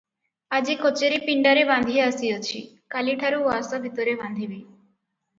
ଆଜି କଚେରୀ ପିଣ୍ତାରେ ବାନ୍ଧି ଆସିଅଛି, କାଲିଠାରୁ ଉଆସ ଭିତରେ ବାନ୍ଧିବି ।